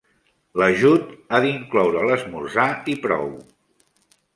L'ajut ha d'incloure l'esmorzar i prou.